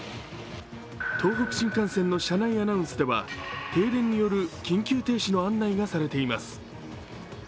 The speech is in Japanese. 東北新幹線の車内アナウンスでは停電による緊急停止の案内がされています。